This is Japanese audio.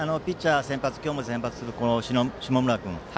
今日も先発する下村君。